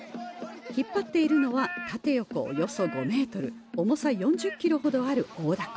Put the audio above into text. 引っ張っているのは、縦横およそ５ｍ、重さ４０ｋｇほどある大だこ。